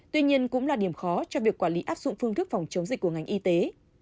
tuy nhiên cũng là điểm khó cho việc quản lý áp dụng phương thức phòng chống dịch của ngành y tế